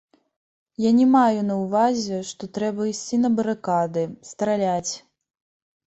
Я не маю на ўвазе, што трэба ісці на барыкады, страляць.